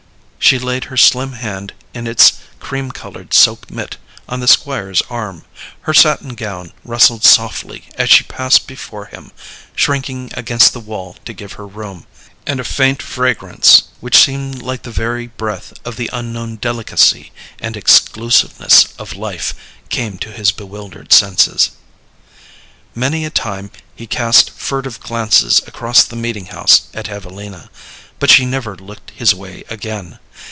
She laid her slim hand in its cream colored silk mitt on the Squire's arm; her satin gown rustled softly as she passed before him, shrinking against the wall to give her room, and a faint fragrance which seemed like the very breath of the unknown delicacy and exclusiveness of life came to his bewildered senses. Many a time he cast furtive glances across the meeting house at Evelina, but she never looked his way again.